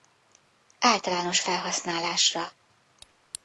Általános felhasználásra.